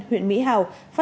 huyện mỹ hào